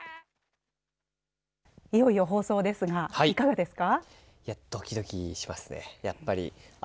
いよいよ放送ですが、いかがですか。